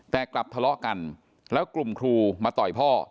แต่กลับทะเลาะกันแล้วกลุ่มครูมาต่อยพ่อ